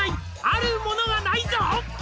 「あるものがないぞ」